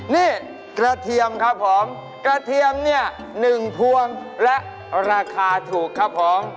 นี่กระเทียมครับผมกระเทียมเนี่ย๑พวงและราคาถูกครับผม